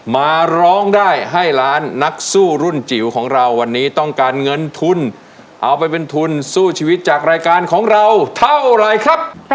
มาร้องได้ให้ล้านนักสู้รุ่นจิ๋วของเราวันนี้ต้องการเงินทุนเอาไปเป็นทุนสู้ชีวิตจากรายการของเราเท่าไรครับ